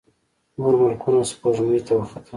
نور ملکونه سپوږمۍ ته وختل.